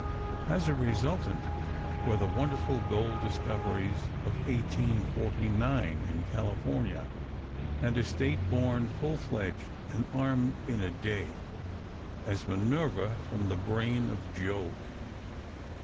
As a resultant were the wonderful gold discoveries of 1849, in California, and a State born full fledged and armed in a day, as Minerva from the brain of Jove.